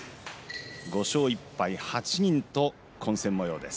５勝１敗が８人という混戦もようです。